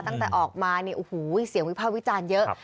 ตั้งแต่ออกมาเนี่ยโอ้โหเสียงวิภาควิจารณ์เยอะ